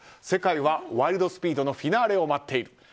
世界は「ワイルド・スピード」のフィナーレを待っている。